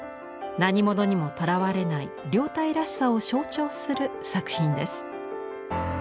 何物にもとらわれない凌岱らしさを象徴する作品です。